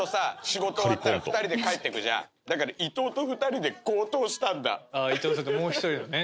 仕事終わったら２人で帰ってくじゃんだから伊藤と２人で強盗したんだあ伊藤さんってもう一人のね